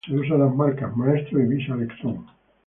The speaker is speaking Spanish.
Se usan las marcas Maestro y Visa Electron.